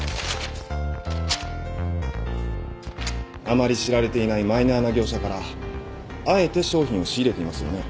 あまり知られていないマイナーな業者からあえて商品を仕入れていますよね。